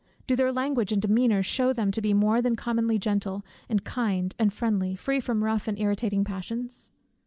Do their language and demeanor shew them to be more than commonly gentle, and kind, and friendly, free from rough and irritating passions?